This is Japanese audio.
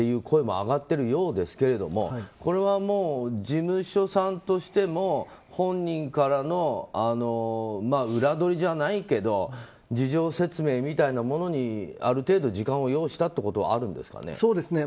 声も上がってるようですけれどもこれは事務所さんとしても本人からの裏取りじゃないけど事情説明みたいなものにある程度、時間を要したということはあるんですかね。